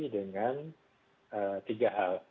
dengan tiga hal